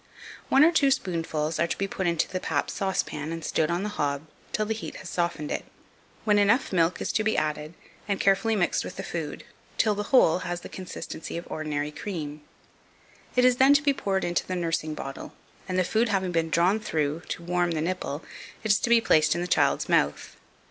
One or two spoonfuls are to be put into the pap saucepan and stood on the hob till the heat has softened it, when enough milk is to be added, and carefully mixed with the food, till the whole has the consistency of ordinary cream; it is then to be poured into the nursing bottle, and the food having been drawn through to warm the nipple, it is to be placed in the child's mouth.